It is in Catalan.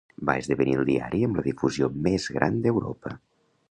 Va esdevenir el diari amb la difusió més gran d'Europa.